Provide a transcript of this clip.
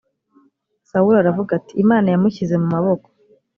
sawuli aravuga ati: imana yamushyize mu maboko